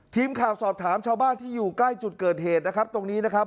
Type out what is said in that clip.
ทีมข่าวสอบถามชาวบ้านที่อยู่ใกล้จุดเกิดเหตุนะครับตรงนี้นะครับ